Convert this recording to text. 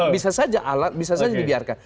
bisa saja alat bisa saja dibiarkan